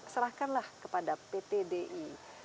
serahkanlah kepada pt di